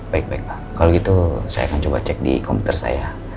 baik baik pak kalau gitu saya akan coba cek di komputer saya